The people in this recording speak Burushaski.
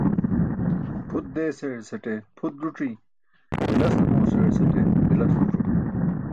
Pʰut deesaẏasate pʰut ẓuc̣i, bilas Dumoosaẏasate bilas ẓuc̣o.